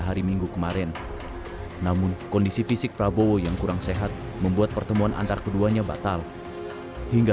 tapi untuk keputusan dari pak prabowo sendiri ini akan menerima apa berdiri nantinya